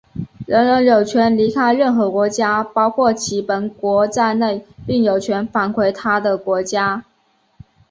人人有权离开任何国家,包括其本国在内,并有权返回他的国家。